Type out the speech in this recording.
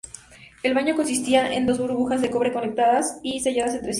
El baño consistía en dos burbujas de cobre conectadas y selladas entre sí.